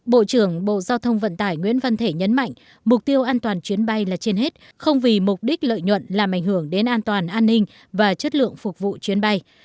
bộ trưởng bộ giao thông vận tải nguyễn văn thể nhấn mạnh mục tiêu an toàn chuyến bay là trên hết không vì mục đích lợi nhuận làm ảnh hưởng đến an toàn an ninh và chất lượng phục vụ chuyến bay